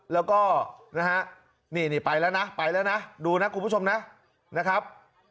แล้วก็นะฮะนี่นี่ไปแล้วนะไปแล้วนะดูนะคุณผู้ชมนะนะครับ